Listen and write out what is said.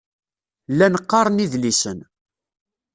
Llan qqaren idlisen.